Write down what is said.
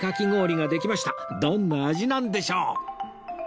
どんな味なんでしょう？